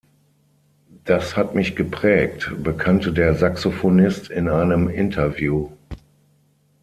Das hat mich geprägt,“ bekannte der Saxophonist in einem Interview.